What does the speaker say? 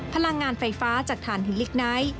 พลังงานไฟฟ้าจากฐานหินลิกไนท์